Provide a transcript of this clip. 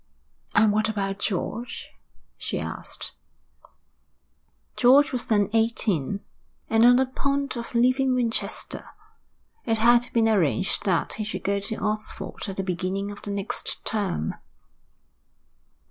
'And what about George?' she asked. George was then eighteen, and on the point of leaving Winchester. It had been arranged that he should go to Oxford at the beginning of the next term.